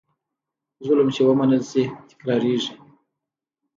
ظلم چې ومنل شي، تکرارېږي.